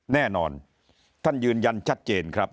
แน่นอนท่านยืนยันชัดเจนครับ